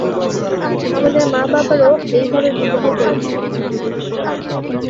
আমাদের মা-বাবারও এইভাবে বিবাহ করেছে।